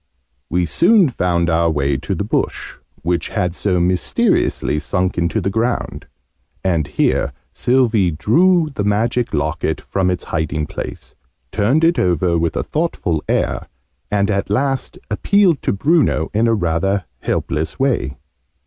We soon found our way to the bush, which had so mysteriously sunk into the ground: and here Sylvie drew the Magic Locket from its hiding place, turned it over with a thoughtful air, and at last appealed to Bruno in a rather helpless way.